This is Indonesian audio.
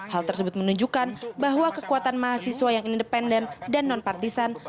hal tersebut menunjukkan bahwa kekuatan mahasiswa yang independen dan non partisan